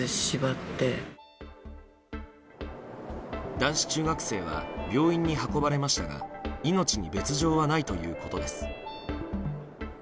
男子中学生は病院に運ばれましたが命に別条はないということです。